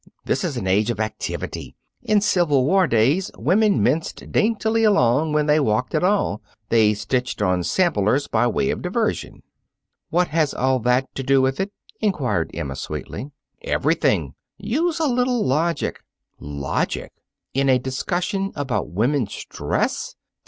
This is an age of activity. In Civil War days women minced daintily along when they walked at all. They stitched on samplers by way of diversion." "What has all that to do with it?" inquired Emma sweetly. "Everything. Use a little logic." "Logic! In a discussion about women's dress!